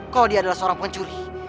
kalau dia adalah seorang pencuri